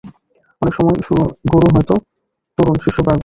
অনেক সময় গুরু হয়তো তরুণ, শিষ্য বয়োবৃদ্ধ।